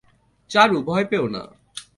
চারু, ভয় পেয়ো না।